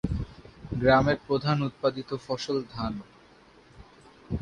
গ্রামের প্রধান উৎপাদিত ফসল ধান।